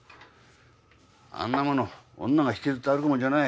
あんなもの女が引きずって歩くもんじゃない。